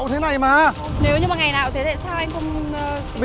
đừng thay đổi